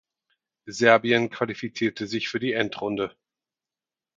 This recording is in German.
Serbien qualifizierte sich für die Endrunde.